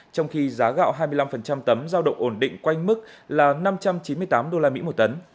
trong khi giá gạo hai mươi năm tấm giao động ổn định quanh mức là năm trăm chín mươi tám usd một tấn